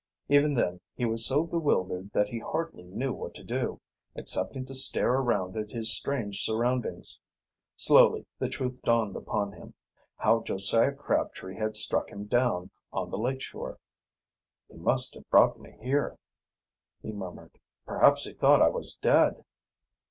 Even then he was so bewildered that he hardly knew what to do, excepting to stare around at his strange surroundings. Slowly the truth dawned upon him how Josiah Crabtree had struck him down on the lake shore. "He must have brought me here," he murmured. "Perhaps he thought I was dead!"